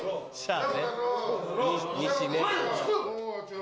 あ！